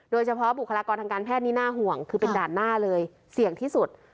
เฉพาะบุคลากรทางการแพทย์นี้น่าห่วงคือเป็นด่านหน้าเลยเสี่ยงที่สุด